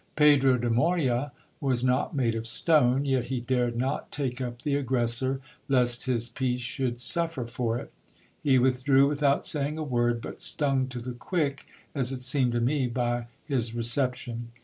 Pedro de Moya was not made of stone. Yet he dared not take up the aggressor, lest his piece should suffer for it He withdrew without saying a word, but stung to the quick, as it seemed to me, by his reception.